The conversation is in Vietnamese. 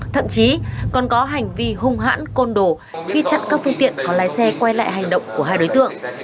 thậm chí còn có hành vi hung hãn côn đồ khi chặn các phương tiện có lái xe quay lại hành động của hai đối tượng